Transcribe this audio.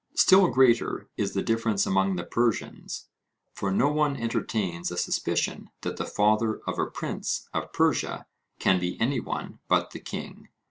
Still greater is the difference among the Persians; for no one entertains a suspicion that the father of a prince of Persia can be any one but the king.